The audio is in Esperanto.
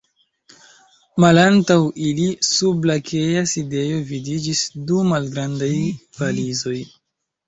Malantaŭ ili, sub lakea sidejo vidiĝis du malgrandaj valizoj.